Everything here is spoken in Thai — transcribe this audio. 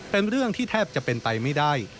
เป็นเรื่องที่แทบจะเป็นไปไม่ได้